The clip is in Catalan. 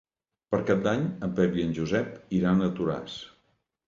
Per Cap d'Any en Pep i en Josep iran a Toràs.